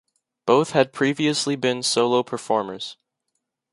Both had previously been solo performers.